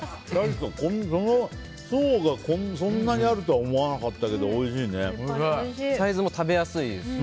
層がそんなにあるとは思わなかったけどサイズも食べやすいですし。